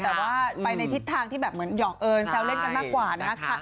แต่ว่าไปในทิศทางที่แบบเหมือนหอกเอิญแซวเล่นกันมากกว่านะคะ